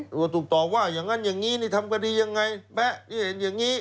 ตรวจถูกตอบว่าอย่างนั้นอย่างนี้นี่ทำกดียังไงแม่อย่างนี้